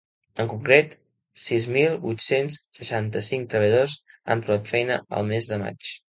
En concret, sis mil vuit-cents seixanta-cinc treballadors han trobat feina el mes de maig.